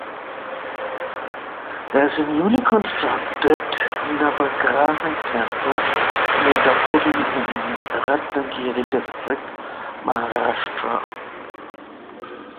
There is a newly constructed Navagraha temple near Dapoli in Ratnagiri district, Maharashtra.